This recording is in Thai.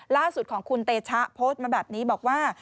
ล่าสุดของคุณเตชะโพสต์มาแบบนี้บอกว่า